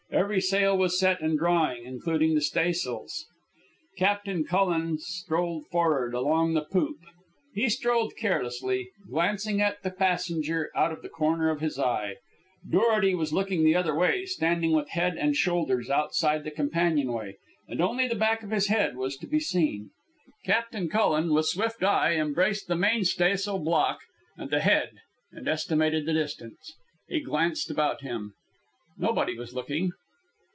Every sail was set and drawing, including the staysails. Captain Cullen strolled for'ard along the poop. He strolled carelessly, glancing at the passenger out of the corner of his eye. Dorety was looking the other way, standing with head and shoulders outside the companionway, and only the back of his head was to be seen. Captain Cullen, with swift eye, embraced the mainstaysail block and the head and estimated the distance. He glanced about him. Nobody was looking.